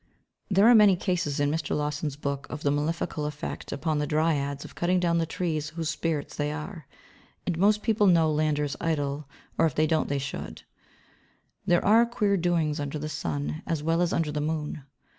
There are many cases in Mr. Lawson's book of the malefical effect upon the Dryads of cutting down the trees whose spirit they are. And most people know Landor's idyll, or if they don't, they should. There are queer doings under the sun as well as under the moon.